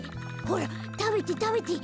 ほらたべてたべて。